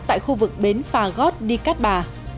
tại khu vực bến phà gót đi cát bà